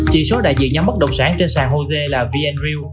chỉ số đại diện nhóm bất động sản trên sàn hồ dê là vn real